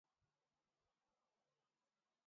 كم من خبير في الدفاتر ورخا